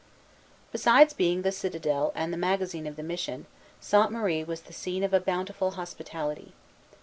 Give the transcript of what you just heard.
Besides being the citadel and the magazine of the mission, Sainte Marie was the scene of a bountiful hospitality.